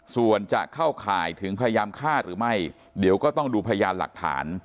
ส่วนจะเข้าข่ายถึงพยายามฆ่าหรือไม่เดี๋ยวก็ต้องดูพยานหลักฐาน